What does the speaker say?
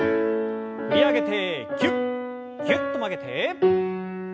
振り上げてぎゅっぎゅっと曲げて。